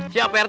siap pak rt